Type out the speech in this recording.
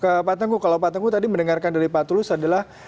ke pak tengku kalau pak tengku tadi mendengarkan dari pak tulus adalah